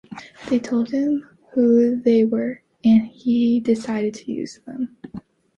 They told him who they were, and he decided to use them.